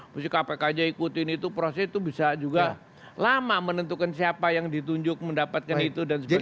mesti kpk aja ikutin itu proses itu bisa juga lama menentukan siapa yang ditunjuk mendapatkan itu dan sebagainya